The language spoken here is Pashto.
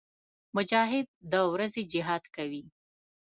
مجاهد د ورځې جهاد کوي.